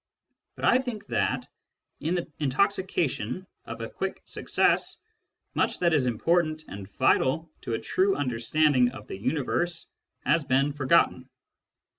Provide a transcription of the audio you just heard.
But I think that, in the intoxication of a quick success, much that is important and vital to a true understanding of the universe has been forgotten.